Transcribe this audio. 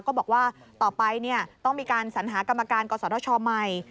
ก็บอกว่าต่อไปเนี่ยต้องมีการสัญหากรรมการกฎศาสตร์ธชอมัย